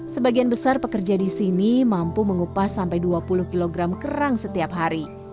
sebagian besar pekerja di sini mampu mengupas sampai dua puluh kg kerang setiap hari